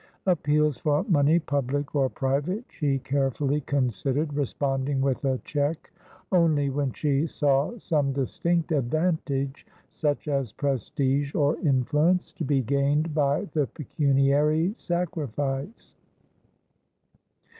Appeals for money, public or private, she carefully considered, responding with a cheque only when she saw some distinct advantagesuch as prestige or influenceto be gained by the pecuniary sacrifice.